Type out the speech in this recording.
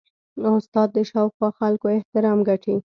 استاد د شاوخوا خلکو احترام ګټي.